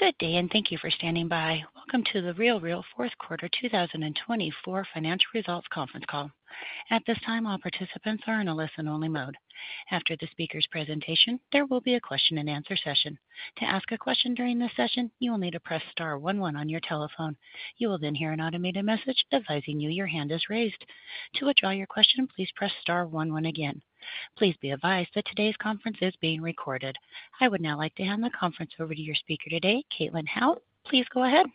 Good day, and thank you for standing by. Welcome to The RealReal Fourth Quarter 2024 Financial Results Conference Call. At this time, all participants are in a listen-only mode. After the speaker's presentation, there will be a question-and-answer session. To ask a question during this session, you will need to press star 11 on your telephone. You will then hear an automated message advising you your hand is raised. To withdraw your question, please press star 11 again. Please be advised that today's conference is being recorded. I would now like to hand the conference over to your speaker today, Caitlin Howe. Please go ahead.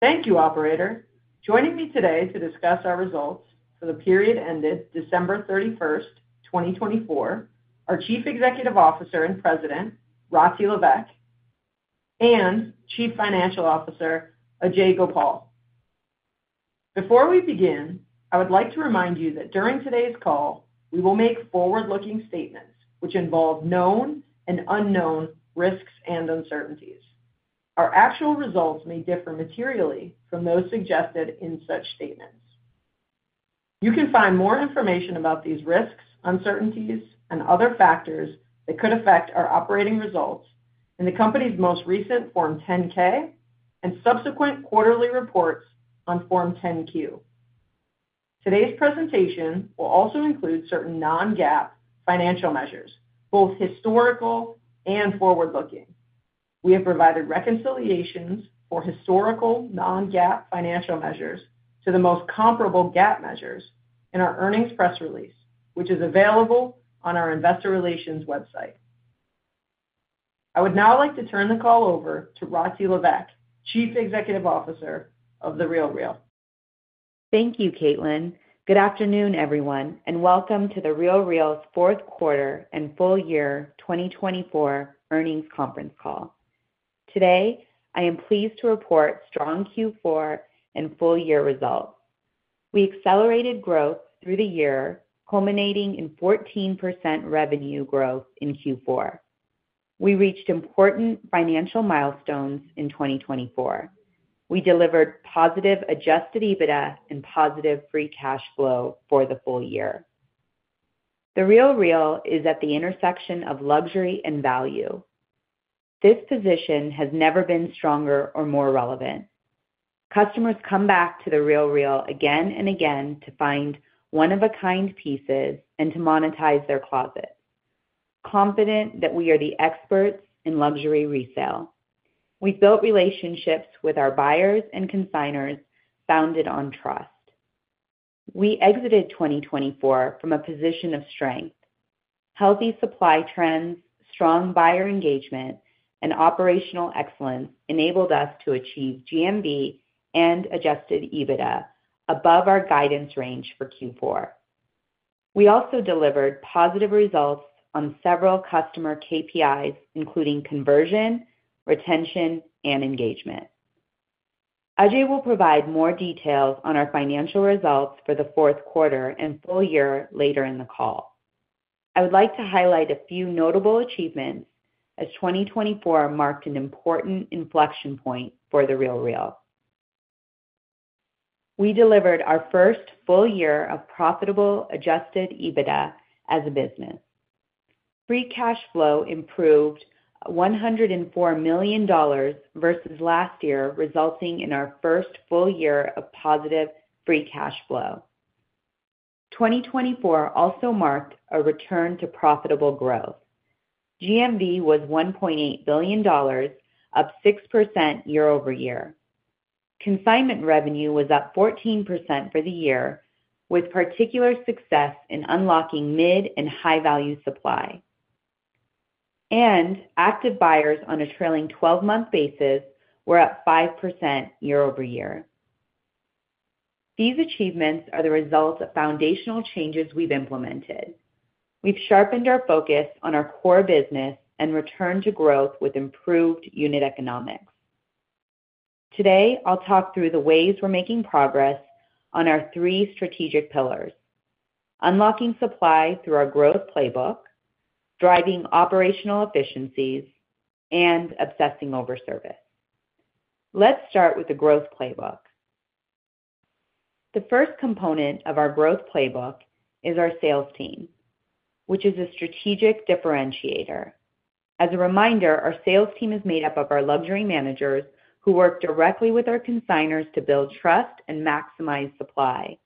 Thank you, Operator. Joining me today to discuss our results for the period ended December 31st, 2024, are Chief Executive Officer and President, Rati Levesque, and Chief Financial Officer, Ajay Gopal. Before we begin, I would like to remind you that during today's call, we will make forward-looking statements which involve known and unknown risks and uncertainties. Our actual results may differ materially from those suggested in such statements. You can find more information about these risks, uncertainties, and other factors that could affect our operating results in the company's most recent Form 10-K and subsequent quarterly reports on Form 10-Q. Today's presentation will also include certain non-GAAP financial measures, both historical and forward-looking. We have provided reconciliations for historical non-GAAP financial measures to the most comparable GAAP measures in our earnings press release, which is available on our Investor Relations website. I would now like to turn the call over to Rati Levesque, Chief Executive Officer of The RealReal. Thank you, Caitlin. Good afternoon, everyone, and welcome to The RealReal's Fourth Quarter and Full Year 2024 Earnings Conference Call. Today, I am pleased to report strong Q4 and full-year results. We accelerated growth through the year, culminating in 14% revenue growth in Q4. We reached important financial milestones in 2024. We delivered positive Adjusted EBITDA and positive Free Cash Flow for the full year. The RealReal is at the intersection of luxury and value. This position has never been stronger or more relevant. Customers come back to The RealReal again and again to find one-of-a-kind pieces and to monetize their closet, confident that we are the experts in luxury resale. We've built relationships with our buyers and consignors founded on trust. We exited 2024 from a position of strength. Healthy supply trends, strong buyer engagement, and operational excellence enabled us to achieve GMV and adjusted EBITDA above our guidance range for Q4. We also delivered positive results on several customer KPIs, including conversion, retention, and engagement. Ajay will provide more details on our financial results for the fourth quarter and full year later in the call. I would like to highlight a few notable achievements as 2024 marked an important inflection point for The RealReal. We delivered our first full year of profitable adjusted EBITDA as a business. Free cash flow improved $104 million versus last year, resulting in our first full year of positive free cash flow. 2024 also marked a return to profitable growth. GMV was $1.8 billion, up 6% year-over-year. Consignment revenue was up 14% for the year, with particular success in unlocking mid and high-value supply. And active buyers on a trailing 12-month basis were up 5% year-over-year. These achievements are the result of foundational changes we've implemented. We've sharpened our focus on our core business and returned to growth with improved unit economics. Today, I'll talk through the ways we're making progress on our three strategic pillars: unlocking supply through our growth playbook, driving operational efficiencies, and obsessing over service. Let's start with the growth playbook. The first component of our growth playbook is our sales team, which is a strategic differentiator. As a reminder, our sales team is made up of our luxury managers who work directly with our consignors to build trust and maximize supply.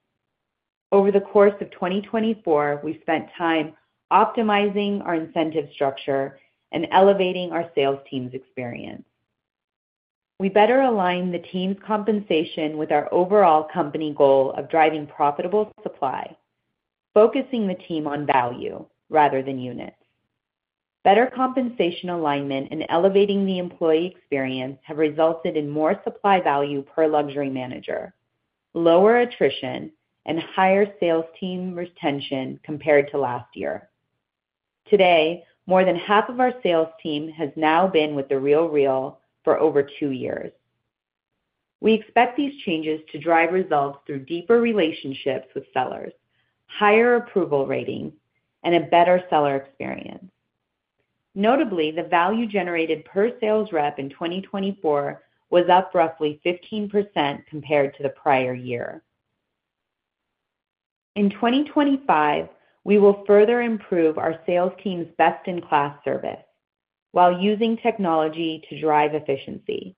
Over the course of 2024, we've spent time optimizing our incentive structure and elevating our sales team's experience. We better align the team's compensation with our overall company goal of driving profitable supply, focusing the team on value rather than units. Better compensation alignment and elevating the employee experience have resulted in more supply value per luxury manager, lower attrition, and higher sales team retention compared to last year. Today, more than half of our sales team has now been with The RealReal for over two years. We expect these changes to drive results through deeper relationships with sellers, higher approval ratings, and a better seller experience. Notably, the value generated per sales rep in 2024 was up roughly 15% compared to the prior year. In 2025, we will further improve our sales team's best-in-class service while using technology to drive efficiency.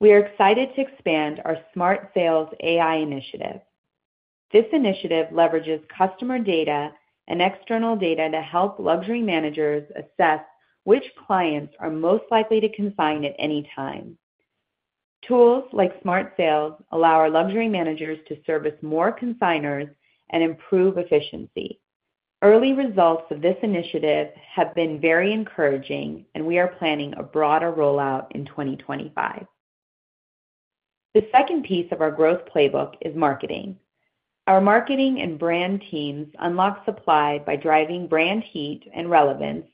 We are excited to expand our Smart Sales AI initiative. This initiative leverages customer data and external data to help luxury managers assess which clients are most likely to consign at any time. Tools like Smart Sales allow our luxury managers to service more consignors and improve efficiency. Early results of this initiative have been very encouraging, and we are planning a broader rollout in 2025. The second piece of our growth playbook is marketing. Our marketing and brand teams unlock supply by driving brand heat and relevance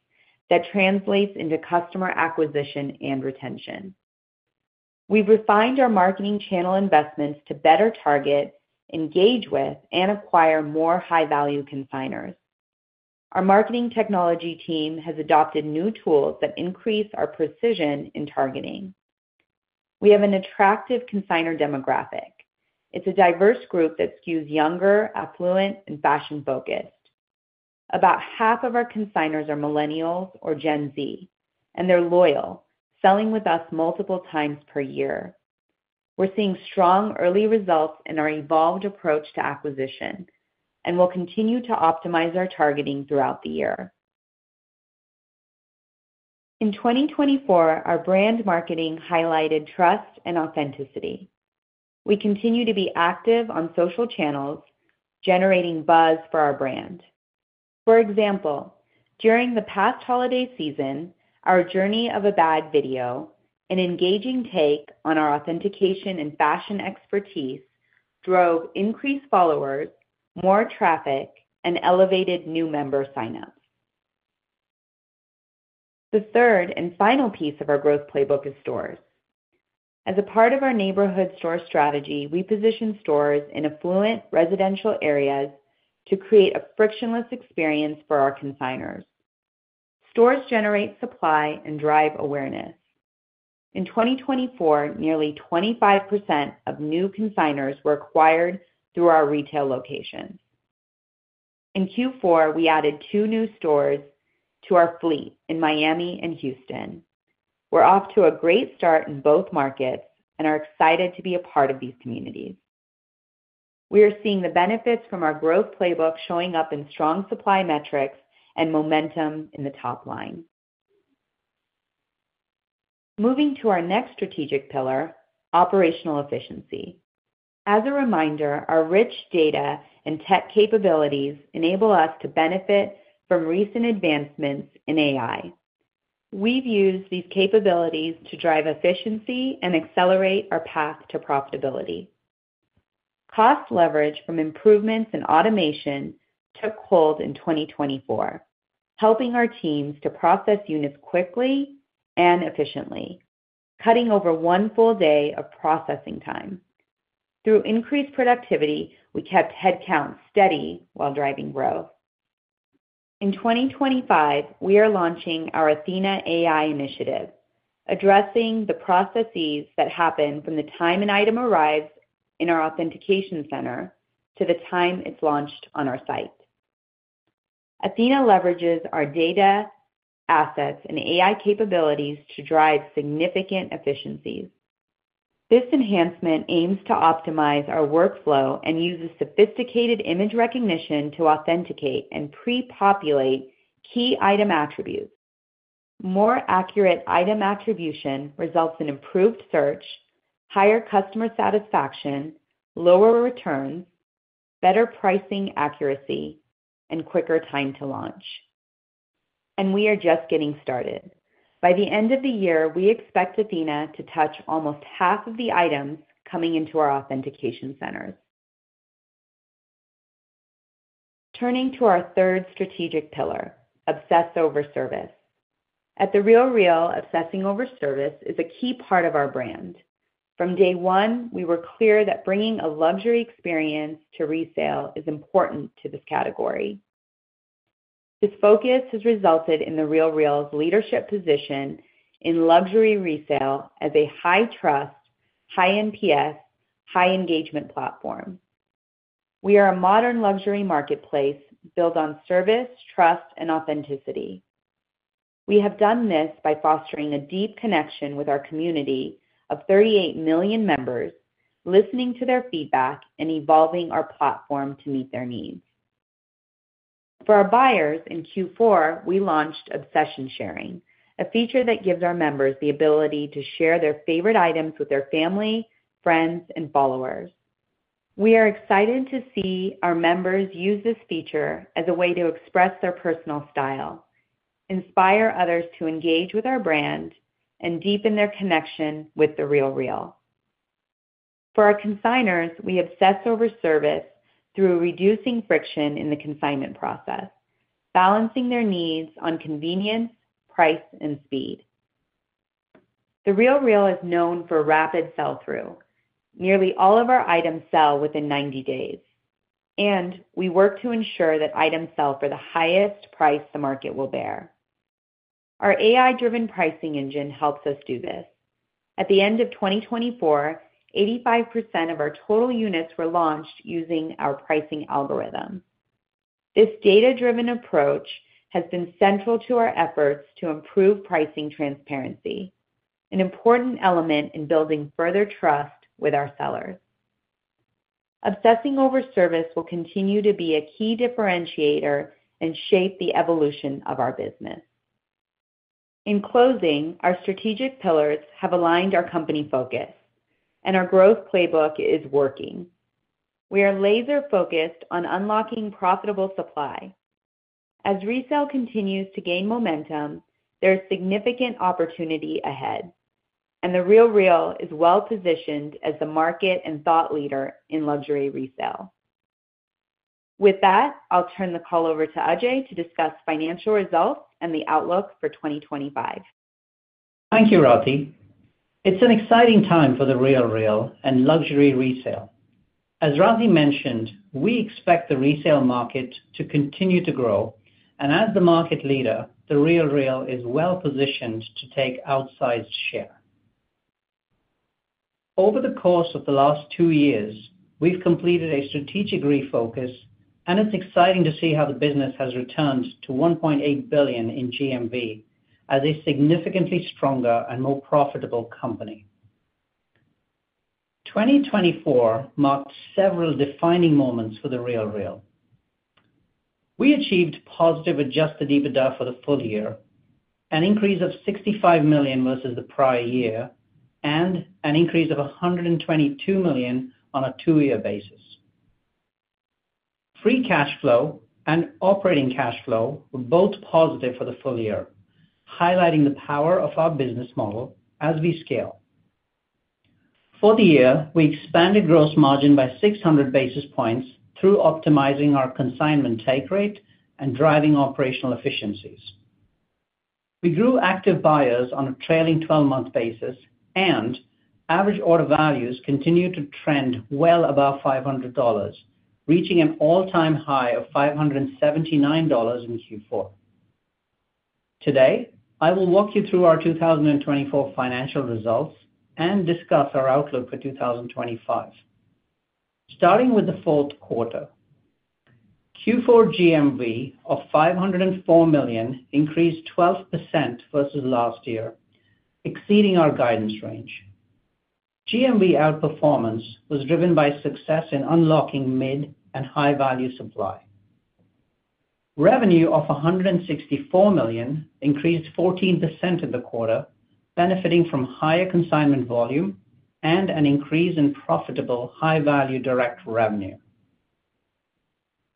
that translates into customer acquisition and retention. We've refined our marketing channel investments to better target, engage with, and acquire more high-value consignors. Our marketing technology team has adopted new tools that increase our precision in targeting. We have an attractive consignor demographic. It's a diverse group that skews younger, affluent, and fashion-focused. About half of our consignors are Millennials or Gen Z, and they're loyal, selling with us multiple times per year. We're seeing strong early results in our evolved approach to acquisition, and we'll continue to optimize our targeting throughout the year. In 2024, our brand marketing highlighted trust and authenticity. We continue to be active on social channels, generating buzz for our brand. For example, during the past holiday season, our Journey of a Bag video, an engaging take on our authentication and fashion expertise, drove increased followers, more traffic, and elevated new member signups. The third and final piece of our growth playbook is stores. As a part of our neighborhood store strategy, we position stores in affluent residential areas to create a frictionless experience for our consignors. Stores generate supply and drive awareness. In 2024, nearly 25% of new consignors were acquired through our retail locations. In Q4, we added two new stores to our fleet in Miami and Houston. We're off to a great start in both markets and are excited to be a part of these communities. We are seeing the benefits from our growth playbook showing up in strong supply metrics and momentum in the top line. Moving to our next strategic pillar, operational efficiency. As a reminder, our rich data and tech capabilities enable us to benefit from recent advancements in AI. We've used these capabilities to drive efficiency and accelerate our path to profitability. Cost leverage from improvements in automation took hold in 2024, helping our teams to process units quickly and efficiently, cutting over one full day of processing time. Through increased productivity, we kept headcount steady while driving growth. In 2025, we are launching our Athena AI initiative, addressing the processes that happen from the time an item arrives in our authentication center to the time it's launched on our site. Athena leverages our data, assets, and AI capabilities to drive significant efficiencies. This enhancement aims to optimize our workflow and uses sophisticated image recognition to authenticate and pre-populate key item attributes. More accurate item attribution results in improved search, higher customer satisfaction, lower returns, better pricing accuracy, and quicker time to launch. And we are just getting started. By the end of the year, we expect Athena to touch almost half of the items coming into our authentication centers. Turning to our third strategic pillar, obsess over service. At The RealReal, obsessing over service is a key part of our brand. From day one, we were clear that bringing a luxury experience to resale is important to this category. This focus has resulted in The RealReal's leadership position in luxury resale as a high-trust, high-NPS, high-engagement platform. We are a modern luxury marketplace built on service, trust, and authenticity. We have done this by fostering a deep connection with our community of 38 million members, listening to their feedback, and evolving our platform to meet their needs. For our buyers in Q4, we launched Obsession Sharing, a feature that gives our members the ability to share their favorite items with their family, friends, and followers. We are excited to see our members use this feature as a way to express their personal style, inspire others to engage with our brand, and deepen their connection with The RealReal. For our consignors, we obsess over service through reducing friction in the consignment process, balancing their needs on convenience, price, and speed. The RealReal is known for rapid sell-through. Nearly all of our items sell within 90 days, and we work to ensure that items sell for the highest price the market will bear. Our AI-driven pricing engine helps us do this. At the end of 2024, 85% of our total units were launched using our pricing algorithm. This data-driven approach has been central to our efforts to improve pricing transparency, an important element in building further trust with our sellers. Obsessing over service will continue to be a key differentiator and shape the evolution of our business. In closing, our strategic pillars have aligned our company focus, and our growth playbook is working. We are laser-focused on unlocking profitable supply. As resale continues to gain momentum, there is significant opportunity ahead, and The RealReal is well-positioned as the market and thought leader in luxury resale. With that, I'll turn the call over to Ajay to discuss financial results and the outlook for 2025. Thank you, Rati. It's an exciting time for The RealReal and luxury resale. As Rati mentioned, we expect the resale market to continue to grow, and as the market leader, The RealReal is well-positioned to take outsized share. Over the course of the last two years, we've completed a strategic refocus, and it's exciting to see how the business has returned to $1.8 billion in GMV as a significantly stronger and more profitable company. 2024 marked several defining moments for The RealReal. We achieved positive Adjusted EBITDA for the full year, an increase of $65 million versus the prior year, and an increase of $122 million on a two-year basis. Free Cash Flow and operating cash flow were both positive for the full year, highlighting the power of our business model as we scale. For the year, we expanded gross margin by 600 basis points through optimizing our consignment take rate and driving operational efficiencies. We grew active buyers on a trailing 12-month basis, and average order values continued to trend well above $500, reaching an all-time high of $579 in Q4. Today, I will walk you through our 2024 financial results and discuss our outlook for 2025. Starting with the fourth quarter, Q4 GMV of $504 million increased 12% versus last year, exceeding our guidance range. GMV outperformance was driven by success in unlocking mid and high-value supply. Revenue of $164 million increased 14% for the quarter, benefiting from higher consignment volume and an increase in profitable high-value direct revenue.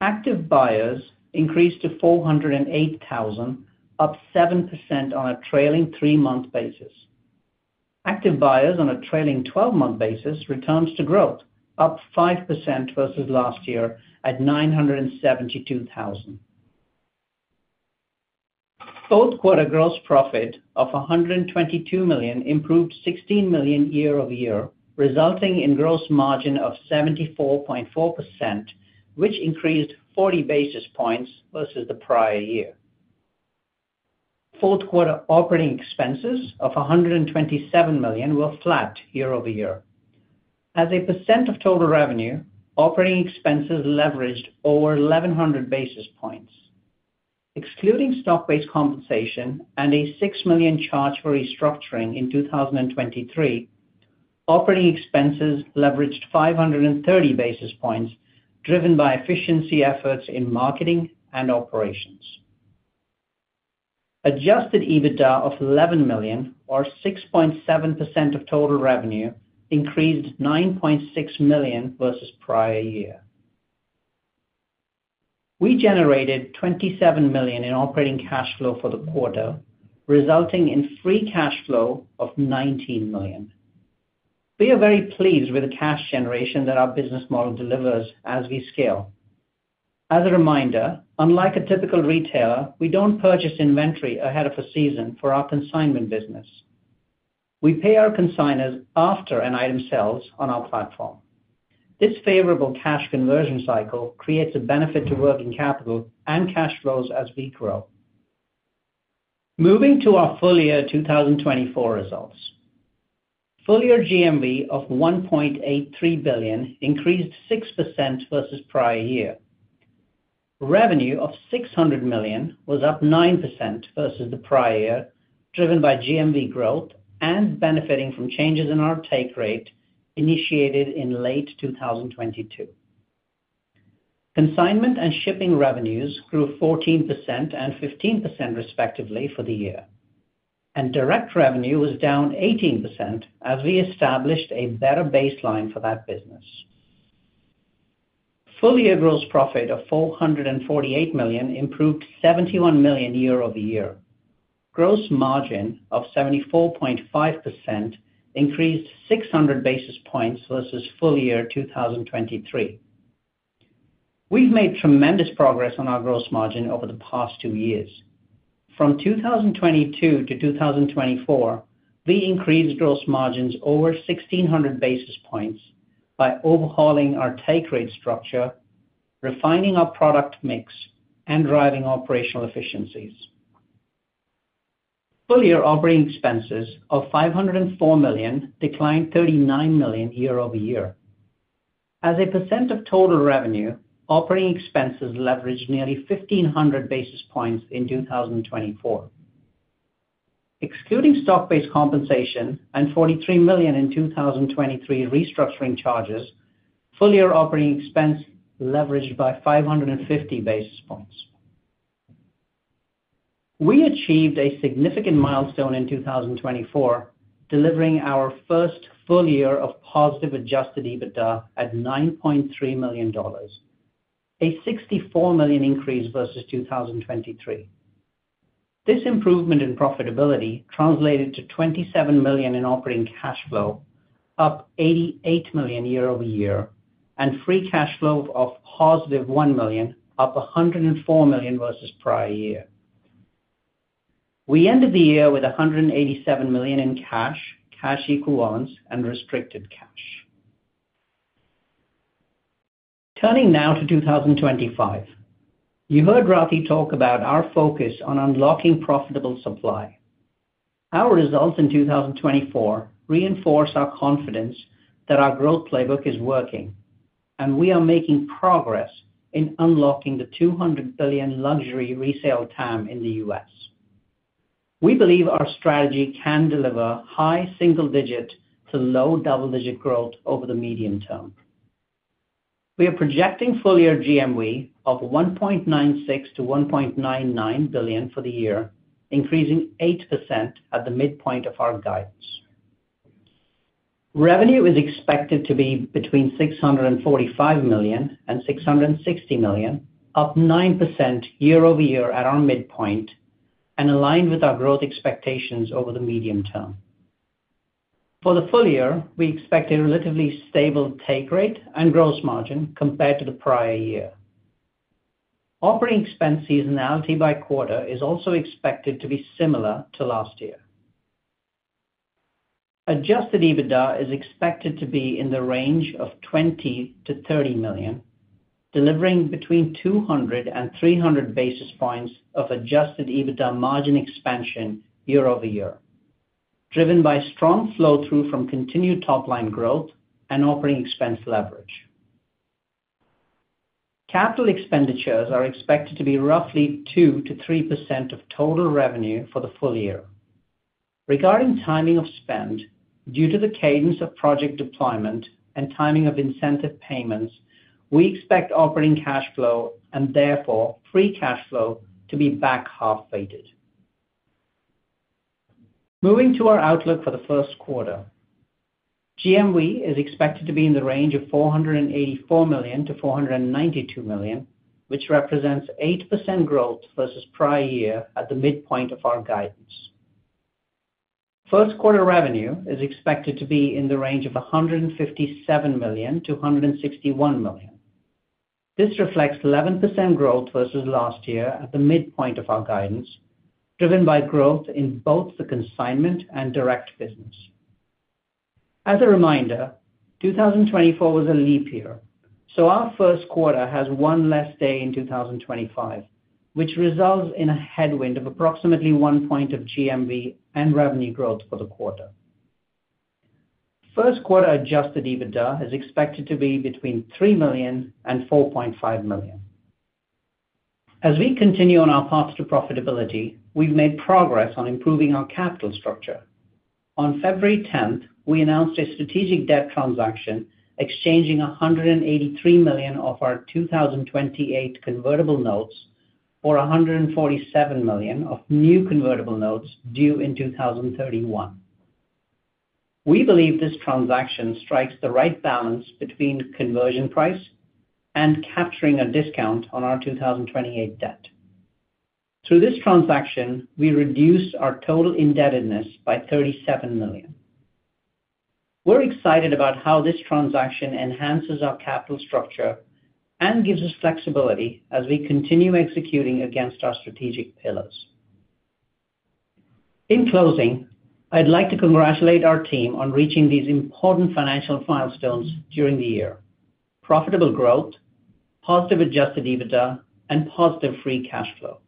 Active buyers increased to 408,000, up 7% on a trailing three-month basis. Active buyers on a trailing 12-month basis returned to growth, up 5% versus last year at 972,000. Fourth quarter gross profit of $122 million improved $16 million year-over-year, resulting in gross margin of 74.4%, which increased 40 basis points versus the prior year. Fourth quarter operating expenses of $127 million were flat year-over-year. As a percent of total revenue, operating expenses leveraged over 1,100 basis points. Excluding stock-based compensation and a $6 million charge for restructuring in 2023, operating expenses leveraged 530 basis points, driven by efficiency efforts in marketing and operations. Adjusted EBITDA of $11 million, or 6.7% of total revenue, increased $9.6 million versus prior year. We generated $27 million in operating cash flow for the quarter, resulting in free cash flow of $19 million. We are very pleased with the cash generation that our business model delivers as we scale. As a reminder, unlike a typical retailer, we don't purchase inventory ahead of a season for our consignment business. We pay our consignors after an item sells on our platform. This favorable cash conversion cycle creates a benefit to working capital and cash flows as we grow. Moving to our full year 2024 results, full year GMV of $1.83 billion increased 6% versus prior year. Revenue of $600 million was up 9% versus the prior year, driven by GMV growth and benefiting from changes in our take rate initiated in late 2022. Consignment and shipping revenues grew 14% and 15% respectively for the year, and direct revenue was down 18% as we established a better baseline for that business. Full year gross profit of $448 million improved $71 million year-over-year. Gross margin of 74.5% increased 600 basis points versus full year 2023. We've made tremendous progress on our gross margin over the past two years. From 2022 to 2024, we increased gross margins over 1,600 basis points by overhauling our take rate structure, refining our product mix, and driving operational efficiencies. Full year operating expenses of $504 million declined $39 million year-over-year. As a percent of total revenue, operating expenses leveraged nearly 1,500 basis points in 2024. Excluding stock-based compensation and $43 million in 2023 restructuring charges, full year operating expense leveraged by 550 basis points. We achieved a significant milestone in 2024, delivering our first full year of positive Adjusted EBITDA at $9.3 million, a $64 million increase versus 2023. This improvement in profitability translated to $27 million in operating cash flow, up $88 million year-over-year, and Free Cash Flow of positive $1 million, up $104 million versus prior year. We ended the year with $187 million in cash, cash equivalents, and restricted cash. Turning now to 2025, you heard Rati talk about our focus on unlocking profitable supply. Our results in 2024 reinforce our confidence that our growth playbook is working, and we are making progress in unlocking the $200 billion luxury resale TAM in the U.S. We believe our strategy can deliver high single-digit to low double-digit growth over the medium term. We are projecting full year GMV of $1.96 billion-$1.99 billion for the year, increasing 8% at the midpoint of our guidance. Revenue is expected to be between $645 million and $660 million, up 9% year-over-year at our midpoint, and aligned with our growth expectations over the medium term. For the full year, we expect a relatively stable take rate and gross margin compared to the prior year. Operating expense seasonality by quarter is also expected to be similar to last year. Adjusted EBITDA is expected to be in the range of $20 million-$30 million, delivering between 200 and 300 basis points of adjusted EBITDA margin expansion year-over-year, driven by strong flow-through from continued top-line growth and operating expense leverage. Capital expenditures are expected to be roughly 2%-3% of total revenue for the full year. Regarding timing of spend, due to the cadence of project deployment and timing of incentive payments, we expect operating cash flow and therefore free cash flow to be back half-weighted. Moving to our outlook for the first quarter, GMV is expected to be in the range of $484 million-$492 million, which represents 8% growth versus prior year at the midpoint of our guidance. First quarter revenue is expected to be in the range of $157 million-$161 million. This reflects 11% growth versus last year at the midpoint of our guidance, driven by growth in both the consignment and direct business. As a reminder, 2024 was a leap year, so our first quarter has one less day in 2025, which results in a headwind of approximately one point of GMV and revenue growth for the quarter. First quarter Adjusted EBITDA is expected to be between $3 million and $4.5 million. As we continue on our path to profitability, we've made progress on improving our capital structure. On February 10th, we announced a strategic debt transaction, exchanging $183 million of our 2028 convertible notes for $147 million of new convertible notes due in 2031. We believe this transaction strikes the right balance between conversion price and capturing a discount on our 2028 debt. Through this transaction, we reduced our total indebtedness by $37 million. We're excited about how this transaction enhances our capital structure and gives us flexibility as we continue executing against our strategic pillars. In closing, I'd like to congratulate our team on reaching these important financial milestones during the year: profitable growth, positive Adjusted EBITDA, and positive Free Cash Flow.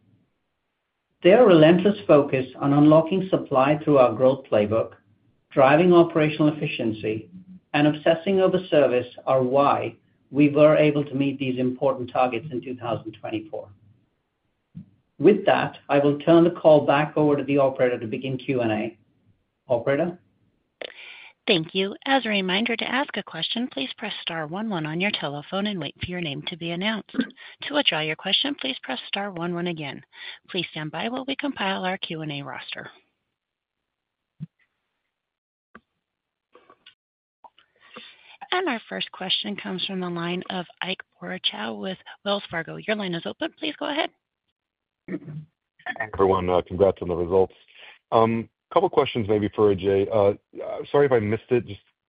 Their relentless focus on unlocking supply through our growth playbook, driving operational efficiency, and obsessing over service are why we were able to meet these important targets in 2024. With that, I will turn the call back over to the operator to begin Q&A. Operator? Thank you. As a reminder, to ask a question, please press star 11 on your telephone and wait for your name to be announced. To withdraw your question, please press star 11 again. Please stand by while we compile our Q&A roster. And our first question comes from the line of Ike Boruchow with Wells Fargo. Your line is open. Please go ahead. Thank you, everyone. Congrats on the results. A couple of questions maybe for Ajay. Sorry if I missed it.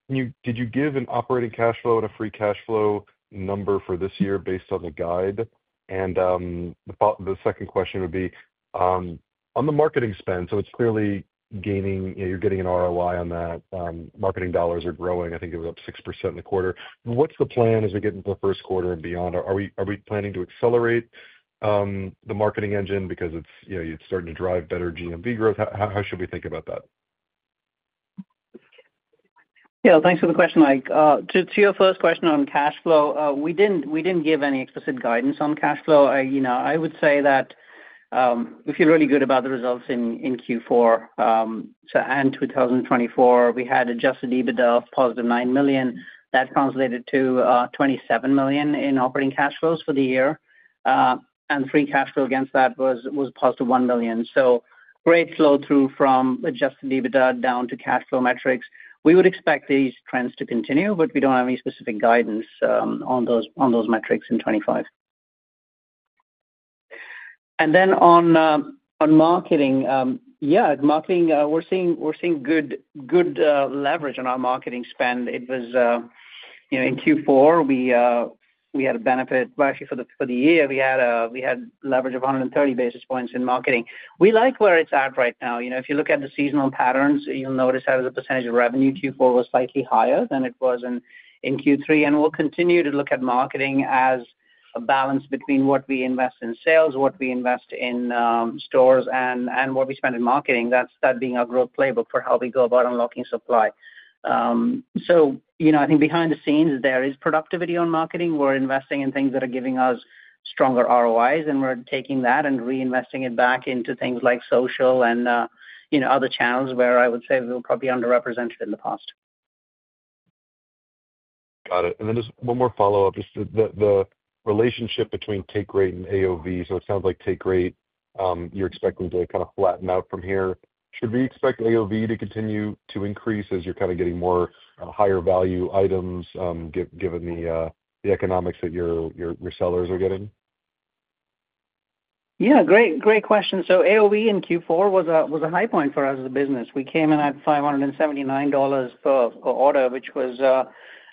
Did you give an operating cash flow and a Free Cash Flow number for this year based on the guide? The second question would be, on the marketing spend, so it's clearly gaining. You're getting an ROI on that. Marketing dollars are growing. I think it was up 6% in the quarter. What's the plan as we get into the first quarter and beyond? Are we planning to accelerate the marketing engine because it's starting to drive better GMV growth? How should we think about that? Yeah, thanks for the question, Ike. To your first question on cash flow, we didn't give any explicit guidance on cash flow. I would say that we feel really good about the results in Q4 and 2024. We had adjusted EBITDA of positive $9 million. That translated to $27 million in operating cash flows for the year. And free cash flow against that was positive $1 million, so great flow-through from adjusted EBITDA down to cash flow metrics. We would expect these trends to continue, but we don't have any specific guidance on those metrics in 2025. And then on marketing, yeah, marketing, we're seeing good leverage on our marketing spend. It was in Q4. We had a benefit, well, actually, for the year, we had leverage of 130 basis points in marketing. We like where it's at right now. If you look at the seasonal patterns, you'll notice that the percentage of revenue Q4 was slightly higher than it was in Q3. And we'll continue to look at marketing as a balance between what we invest in sales, what we invest in stores, and what we spend in marketing, that being our growth playbook for how we go about unlocking supply. So I think behind the scenes, there is productivity on marketing. We're investing in things that are giving us stronger ROIs, and we're taking that and reinvesting it back into things like social and other channels where I would say we were probably underrepresented in the past. Got it. And then just one more follow-up, just the relationship between take rate and AOV. So it sounds like take rate, you're expecting to kind of flatten out from here. Should we expect AOV to continue to increase as you're kind of getting more higher value items, given the economics that your sellers are getting? Yeah, great question. So AOV in Q4 was a high point for us as a business. We came in at $579 per order, which was,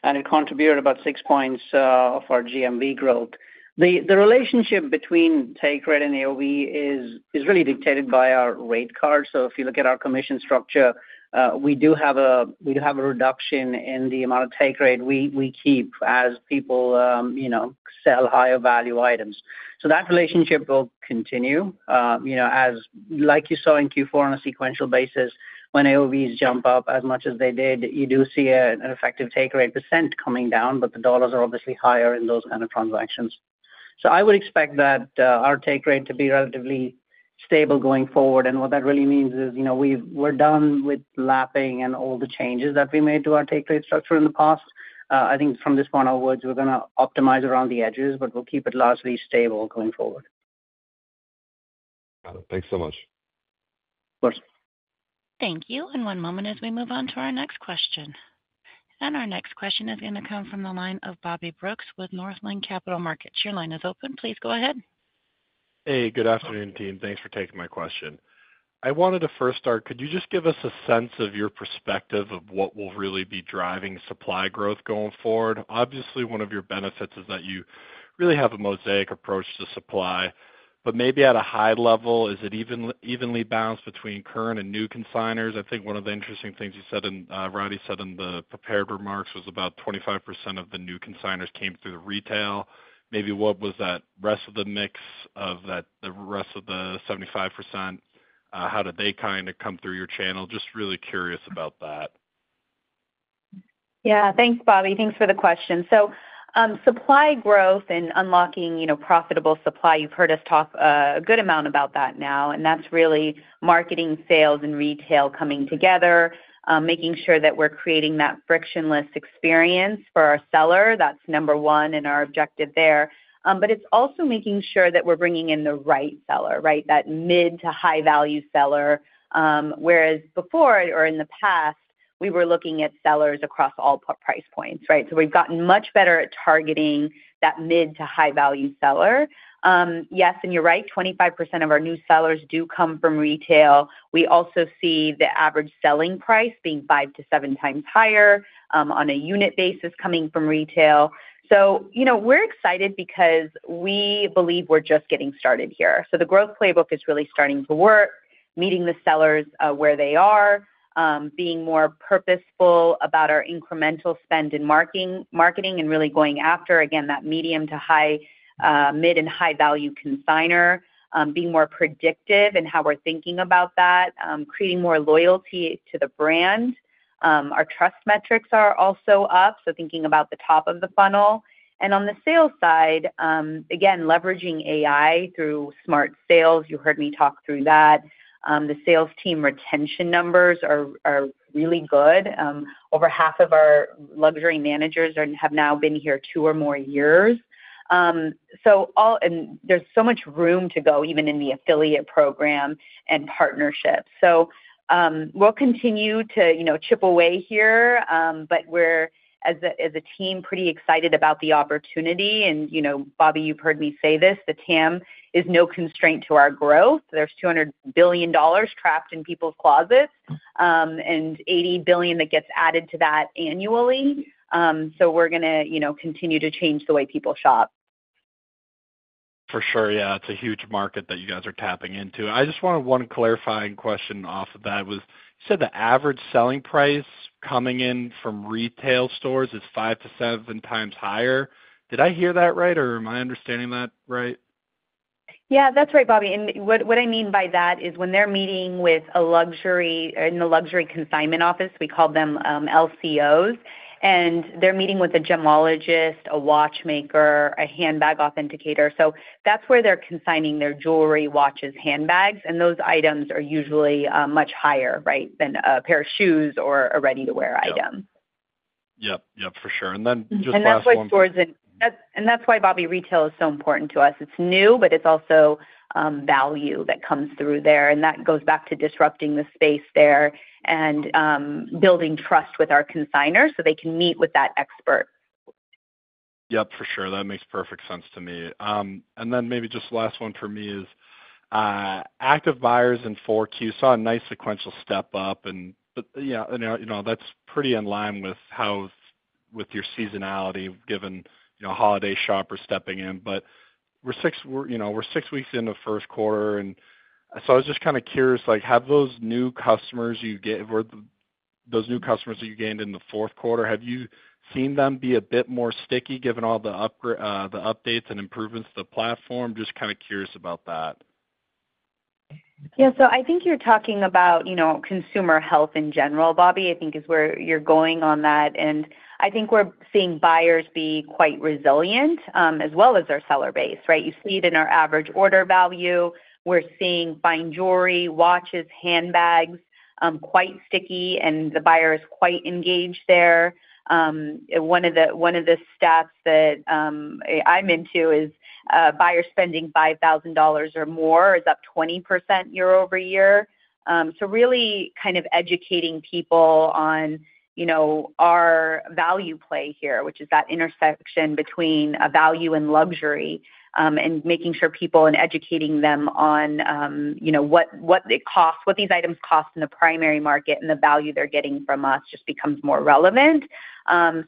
and it contributed about 6 points of our GMV growth. The relationship between take rate and AOV is really dictated by our rate card. So if you look at our commission structure, we do have a reduction in the amount of take rate we keep as people sell higher value items. So that relationship will continue. Like you saw in Q4 on a sequential basis, when AOVs jump up as much as they did, you do see an effective take rate percent coming down, but the dollars are obviously higher in those kinds of transactions. So I would expect that our take rate to be relatively stable going forward. And what that really means is we're done with lapping and all the changes that we made to our take rate structure in the past. I think from this point onwards, we're going to optimize around the edges, but we'll keep it largely stable going forward. Got it. Thanks so much. Of course. Thank you. And one moment as we move on to our next question. And our next question is going to come from the line of Bobby Brooks with Northland Capital Markets. Your line is open. Please go ahead. Hey, good afternoon, team. Thanks for taking my question. I wanted to first start, could you just give us a sense of your perspective of what will really be driving supply growth going forward? Obviously, one of your benefits is that you really have a mosaic approach to supply, but maybe at a high level, is it evenly balanced between current and new consignors? I think one of the interesting things you said and Rati said in the prepared remarks was about 25% of the new consignors came through retail. Maybe what was that rest of the mix of the rest of the 75%? How did they kind of come through your channel? Just really curious about that. Yeah, thanks, Bobby. Thanks for the question. So supply growth and unlocking profitable supply, you've heard us talk a good amount about that now. And that's really marketing, sales, and retail coming together, making sure that we're creating that frictionless experience for our seller. That's number one in our objective there. But it's also making sure that we're bringing in the right seller, right? That mid to high-value seller. Whereas before or in the past, we were looking at sellers across all price points, right? So we've gotten much better at targeting that mid to high-value seller. Yes, and you're right, 25% of our new sellers do come from retail. We also see the average selling price being five to seven times higher on a unit basis coming from retail. So we're excited because we believe we're just getting started here. So the growth playbook is really starting to work, meeting the sellers where they are, being more purposeful about our incremental spend in marketing, and really going after, again, that medium to high, mid and high-value consignor, being more predictive in how we're thinking about that, creating more loyalty to the brand. Our trust metrics are also up, so thinking about the top of the funnel. And on the sales side, again, leveraging AI through Smart Sales, you heard me talk through that. The sales team retention numbers are really good. Over half of our luxury managers have now been here two or more years. And there's so much room to go, even in the affiliate program and partnerships. So we'll continue to chip away here, but we're, as a team, pretty excited about the opportunity. Bobby, you've heard me say this, the TAM is no constraint to our growth. There's $200 billion trapped in people's closets and $80 billion that gets added to that annually. We're going to continue to change the way people shop. For sure, yeah. It's a huge market that you guys are tapping into. I just wanted one clarifying question off of that. You said the average selling price coming in from retail stores is five to seven times higher. Did I hear that right, or am I understanding that right? Yeah, that's right, Bobby. What I mean by that is when they're meeting with a luxury, in the luxury consignment office, we call them LCOs, and they're meeting with a gemologist, a watchmaker, a handbag authenticator. That's where they're consigning their jewelry, watches, handbags. And those items are usually much higher, right, than a pair of shoes or a ready-to-wear item. Yep, yep, for sure. And then just last one. And that's why Bobby, retail is so important to us. It's new, but it's also value that comes through there. And that goes back to disrupting the space there and building trust with our consignors so they can meet with that expert. Yep, for sure. That makes perfect sense to me. And then maybe just last one for me is active buyers in Q4. You saw a nice sequential step up, and that's pretty in line with your seasonality given a holiday shopper stepping in. But we're six weeks into first quarter, and so I was just kind of curious. Have those new customers you get, those new customers that you gained in the fourth quarter, have you seen them be a bit more sticky given all the updates and improvements to the platform? Just kind of curious about that. Yeah, so I think you're talking about consumer health in general, Bobby. I think is where you're going on that. And I think we're seeing buyers be quite resilient as well as our seller base, right? You see it in our average order value. We're seeing fine jewelry, watches, handbags quite sticky, and the buyer is quite engaged there. One of the stats that I'm into is buyers spending $5,000 or more is up 20% year-over-year. So really kind of educating people on our value play here, which is that intersection between value and luxury, and making sure people and educating them on what it costs, what these items cost in the primary market, and the value they're getting from us just becomes more relevant.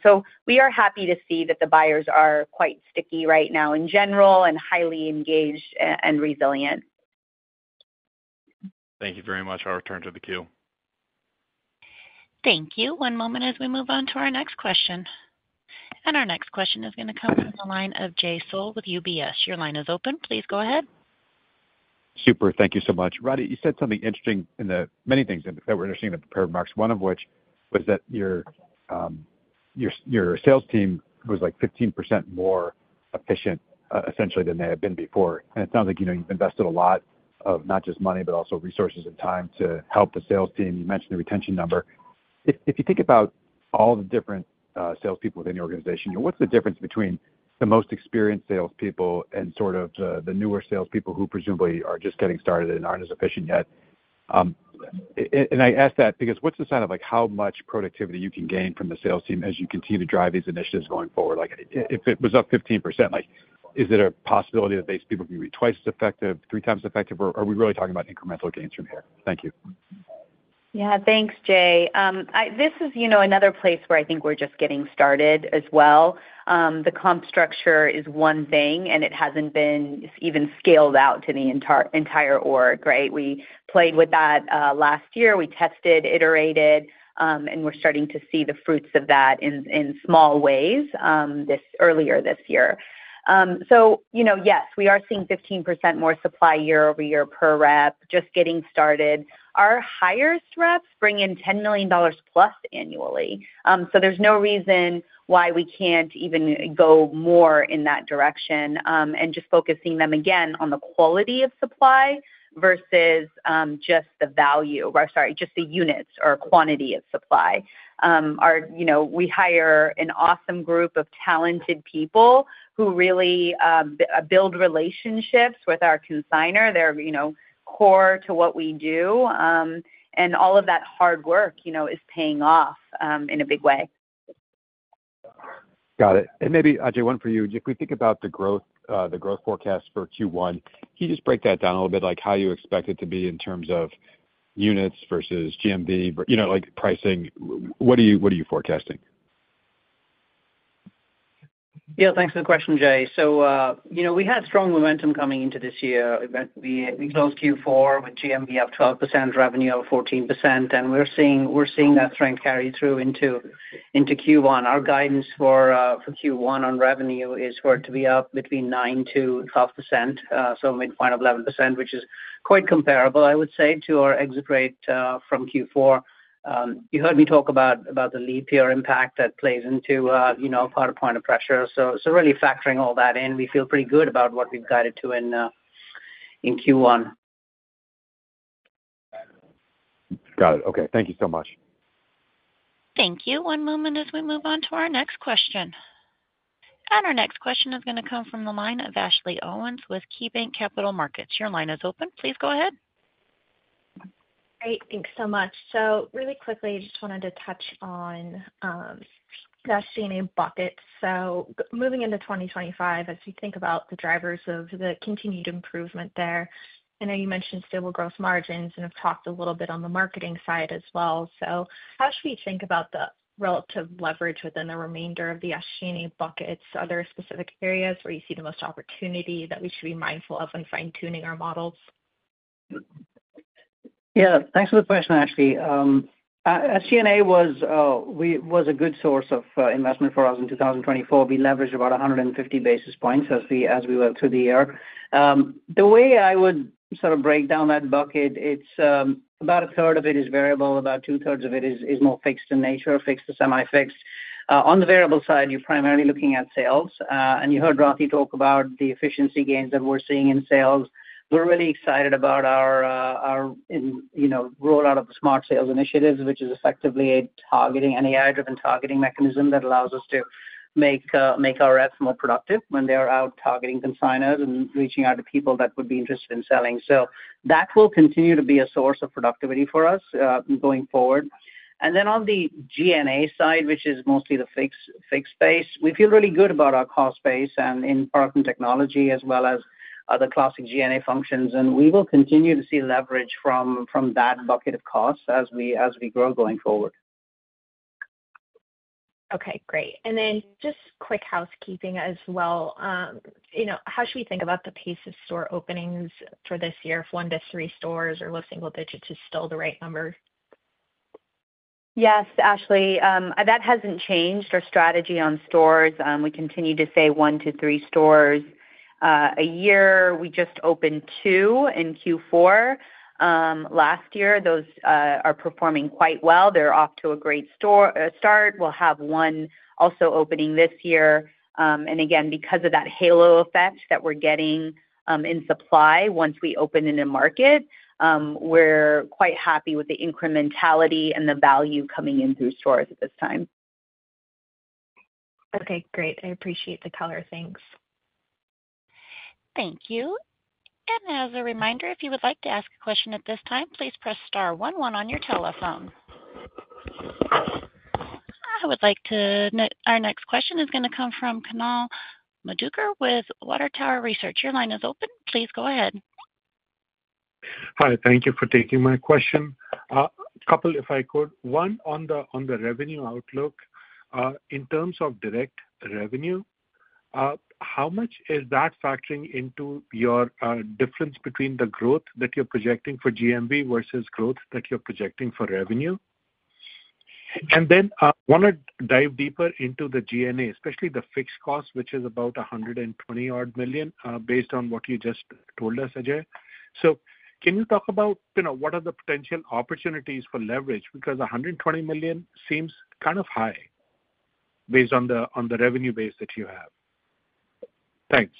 So we are happy to see that the buyers are quite sticky right now in general and highly engaged and resilient. Thank you very much. I'll return to the queue. Thank you. One moment as we move on to our next question. And our next question is going to come from the line of Jay Sole with UBS. Your line is open. Please go ahead. Super. Thank you so much. Rati, you said something interesting in the many things that we're interested in at the prepared remarks. One of which was that your sales team was like 15% more efficient, essentially, than they had been before. And it sounds like you've invested a lot of not just money, but also resources and time to help the sales team. You mentioned the retention number. If you think about all the different salespeople within your organization, what's the difference between the most experienced salespeople and sort of the newer salespeople who presumably are just getting started and aren't as efficient yet? And I ask that because what's the sign of how much productivity you can gain from the sales team as you continue to drive these initiatives going forward? If it was up 15%, is it a possibility that these people can be twice as effective, three times as effective, or are we really talking about incremental gains from here? Thank you. Yeah, thanks, Jay. This is another place where I think we're just getting started as well. The comp structure is one thing, and it hasn't been even scaled out to the entire org, right? We played with that last year. We tested, iterated, and we're starting to see the fruits of that in small ways earlier this year. So yes, we are seeing 15% more supply year over year per rep, just getting started. Our highest reps bring in $10 million plus annually. So there's no reason why we can't even go more in that direction and just focusing them again on the quality of supply versus just the value, sorry, just the units or quantity of supply. We hire an awesome group of talented people who really build relationships with our consignor. They're core to what we do. And all of that hard work is paying off in a big way. Got it. Maybe, Ajay, one for you. If we think about the growth forecast for Q1, can you just break that down a little bit? How do you expect it to be in terms of units versus GMV, pricing? What are you forecasting? Yeah, thanks for the question, Jay. So we had strong momentum coming into this year. We closed Q4 with GMV up 12%, revenue up 14%. And we're seeing that trend carry through into Q1. Our guidance for Q1 on revenue is for it to be up 9%-12%, so midpoint of 11%, which is quite comparable, I would say, to our exit rate from Q4. You heard me talk about the leap year impact that plays into a hard point of pressure. So really factoring all that in, we feel pretty good about what we've guided to in Q1. Got it. Okay. Thank you so much. Thank you. One moment as we move on to our next question. Our next question is going to come from the line of Ashley Owens with KeyBanc Capital Markets. Your line is open. Please go ahead. Great. Thanks so much. So really quickly, I just wanted to touch on SG&A bucket. So moving into 2025, as we think about the drivers of the continued improvement there, I know you mentioned stable gross margins and have talked a little bit on the marketing side as well. So how should we think about the relative leverage within the remainder of the SG&A buckets? Are there specific areas where you see the most opportunity that we should be mindful of when fine-tuning our models? Yeah. Thanks for the question, Ashley. SG&A was a good source of investment for us in 2024. We leveraged about 150 basis points as we went through the year. The way I would sort of break down that bucket, about a third of it is variable, about two-thirds of it is more fixed in nature, fixed to semi-fixed. On the variable side, you're primarily looking at sales. And you heard Rati talk about the efficiency gains that we're seeing in sales. We're really excited about our rollout of the Smart Sales initiatives, which is effectively a targeting, an AI-driven targeting mechanism that allows us to make our reps more productive when they are out targeting consignors and reaching out to people that would be interested in selling. So that will continue to be a source of productivity for us going forward. And then on the SG&A side, which is mostly the fixed spend, we feel really good about our cost base and in part in technology as well as other classic SG&A functions. We will continue to see leverage from that bucket of costs as we grow going forward. Okay. Great. And then just quick housekeeping as well. How should we think about the pace of store openings for this year? If one to three stores or low single digits is still the right number? Yes, Ashley. That hasn't changed our strategy on stores. We continue to say one to three stores a year. We just opened two in Q4 last year. Those are performing quite well. They're off to a great start. We'll have one also opening this year. And again, because of that halo effect that we're getting in supply once we open in a market, we're quite happy with the incrementality and the value coming in through stores at this time. Okay. Great. I appreciate the color. Thanks. Thank you. And as a reminder, if you would like to ask a question at this time, please press star 11 on your telephone. I would like to note our next question is going to come from Kunal Madhukar with Water Tower Research. Your line is open. Please go ahead. Hi. Thank you for taking my question. A couple, if I could. One on the revenue outlook. In terms of direct revenue, how much is that factoring into your difference between the growth that you're projecting for GMV versus growth that you're projecting for revenue? And then I want to dive deeper into the SG&A, especially the fixed cost, which is about $120 million based on what you just told us, Ajay. So can you talk about what are the potential opportunities for leverage? Because $120 million seems kind of high based on the revenue base that you have. Thanks.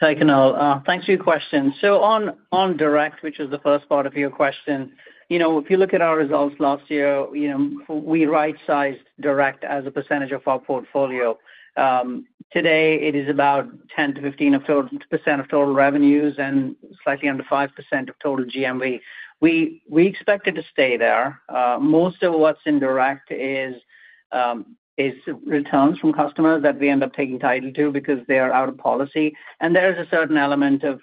Hi, Kunal. Thanks for your question. So on direct, which is the first part of your question, if you look at our results last year, we right-sized direct as a percentage of our portfolio. Today, it is about 10%-15% of total revenues and slightly under 5% of total GMV. We expect it to stay there. Most of what's in direct is returns from customers that we end up taking title to because they are out of policy. There is a certain element of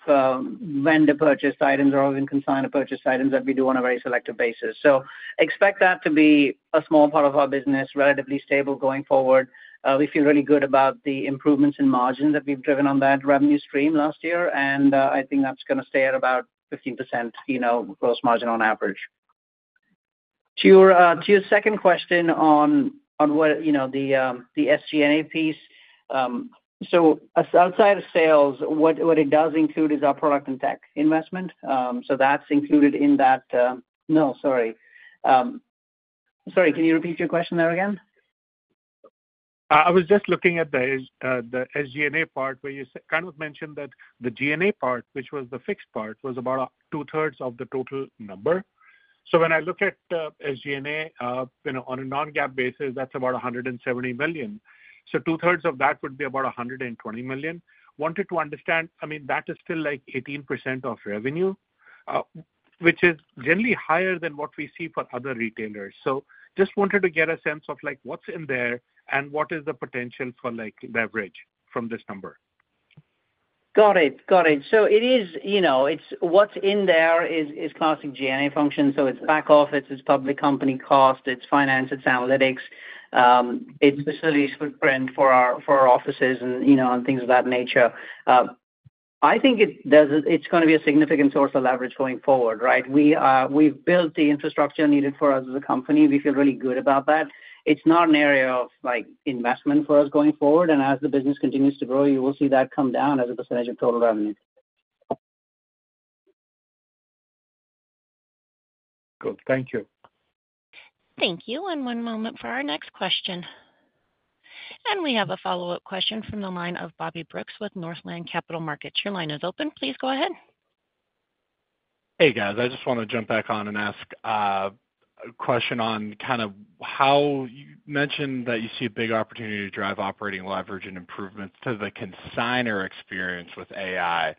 vendor purchased items or even consignor purchased items that we do on a very selective basis. So expect that to be a small part of our business, relatively stable going forward. We feel really good about the improvements in margins that we've driven on that revenue stream last year. And I think that's going to stay at about 15% gross margin on average. To your second question on the SG&A piece, so outside of sales, what it does include is our product and tech investment. So that's included in that. No, sorry. Sorry, can you repeat your question there again? I was just looking at the SG&A part where you kind of mentioned that the SG&A part, which was the fixed part, was about two-thirds of the total number. So when I look at SG&A on a non-GAAP basis, that's about $170 million. So two-thirds of that would be about $120 million. Wanted to understand, I mean, that is still like 18% of revenue, which is generally higher than what we see for other retailers. So just wanted to get a sense of what's in there and what is the potential for leverage from this number. Got it. Got it. So it is what's in there is classic SG&A function. So it's back office, it's public company cost, it's finance, it's analytics, it's facilities footprint for our offices and things of that nature. I think it's going to be a significant source of leverage going forward, right? We've built the infrastructure needed for us as a company. We feel really good about that. It's not an area of investment for us going forward. And as the business continues to grow, you will see that come down as a percentage of total revenue. Cool. Thank you. Thank you. And one moment for our next question. And we have a follow-up question from the line of Bobby Brooks with Northland Capital Markets. Your line is open. Please go ahead. Hey, guys. I just want to jump back on and ask a question on kind of how you mentioned that you see a big opportunity to drive operating leverage and improvements to the consignor experience with AI.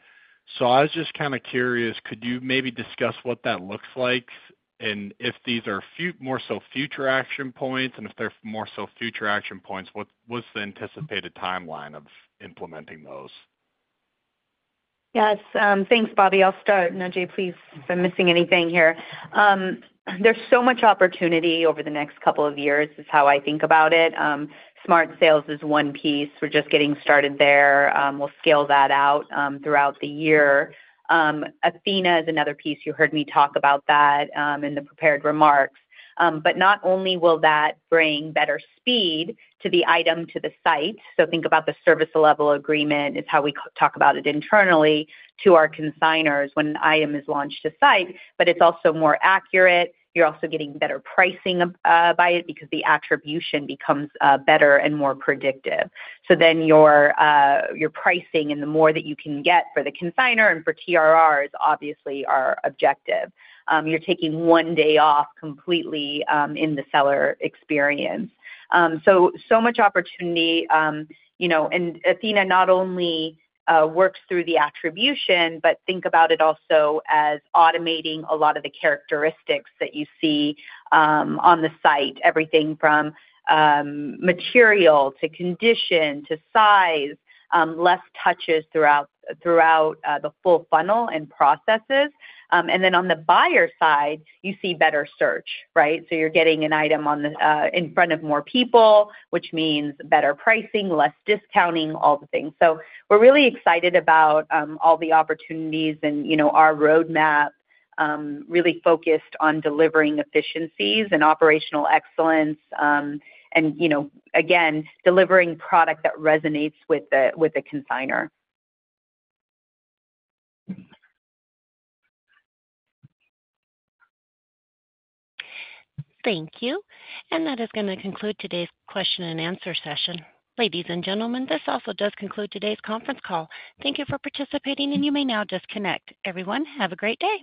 So I was just kind of curious, could you maybe discuss what that looks like? And if these are more so future action points and if they're more so future action points, what's the anticipated timeline of implementing those? Yes. Thanks, Bobby. I'll start. And Ajay, please, if I'm missing anything here. There's so much opportunity over the next couple of years is how I think about it. Smart Sales is one piece. We're just getting started there. We'll scale that out throughout the year. Athena is another piece. You heard me talk about that in the prepared remarks. But not only will that bring better speed to the item to the site, so think about the service level agreement is how we talk about it internally to our consignors when an item is launched to site, but it's also more accurate. You're also getting better pricing by it because the attribution becomes better and more predictive. So then your pricing and the more that you can get for the consignor and for TRR's obviously are objective. You're taking one day off completely in the seller experience. So much opportunity. And Athena not only works through the attribution but think about it also as automating a lot of the characteristics that you see on the site, everything from material to condition to size, less touches throughout the full funnel and processes. And then on the buyer side, you see better search, right? So you're getting an item in front of more people, which means better pricing, less discounting, all the things. So we're really excited about all the opportunities and our roadmap really focused on delivering efficiencies and operational excellence and, again, delivering product that resonates with the consignor. Thank you. And that is going to conclude today's question and answer session. Ladies and gentlemen, this also does conclude today's conference call. Thank you for participating, and you may now disconnect. Everyone, have a great day.